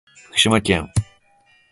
福島県飯舘村